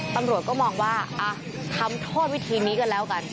ตำรวจก็มองว่าทำโทษวิธีนี้กันแล้วกัน